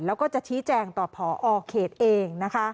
เราจะชี้แจงตัวผอเขตเอง